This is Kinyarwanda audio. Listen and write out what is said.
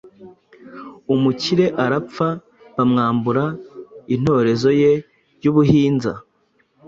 umukire arapfa, bamwambura intorezo ye y'ubuhinza